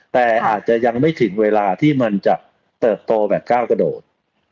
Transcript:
แต่อาจจะยังไม่ถึงเวลาที่มันจะเติบโตแบบก้าวกระโดด